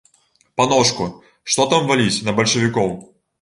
Паночку, што там валіць на бальшавікоў!